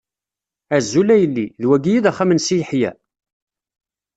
Azul a yelli, d wagi i d axxam n Si Yeḥya?